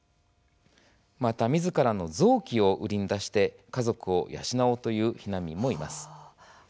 また、みずからの臓器を売りに出して家族を養おうという避難民もいます。